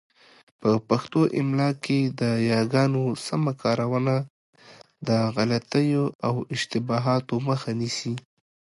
په پښتو املاء کي د یاګانو سمه کارونه د غلطیو او اشتباهاتو مخه نیسي.